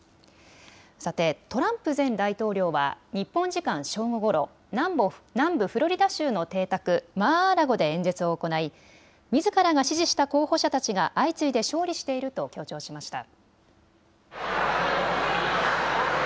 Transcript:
さてトランプ前大統領は日本時間正午ごろ、南部フロリダ州の邸宅、マー・アー・ラゴで演説を行いみずからが支持した候補者たちが相次いで勝利していると強調しました。